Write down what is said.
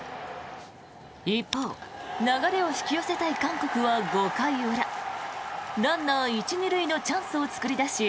一方、流れを引き寄せたい韓国は５回裏ランナー１・２塁のチャンスを作り出し